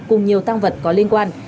cùng nhiều tang vật có liên quan